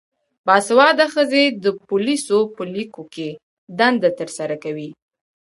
باسواده ښځې د پولیسو په لیکو کې دنده ترسره کوي.